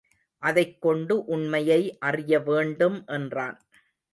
அதைக்கொண்டு உண்மையை அறியவேண்டும் என்றான்.